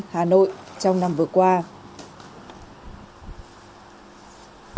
hà nội trong năm vừa qua